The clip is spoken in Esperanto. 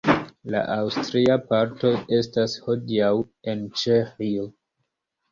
La aŭstria parto estas hodiaŭ en Ĉeĥio.